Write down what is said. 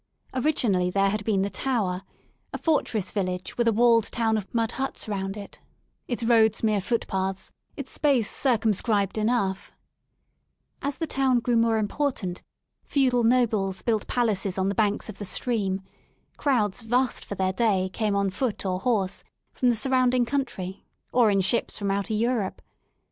Originally there had been the Tower, a fortress village with a walled town of mud huts round it, its roads mere footpaths, its space circumscribed enough* As the town grew more impor tant feudal nobles built palaces on the banks of the stream, crowds vast for their day came on foot or horse from the surrounding country or in ships from outer Europe.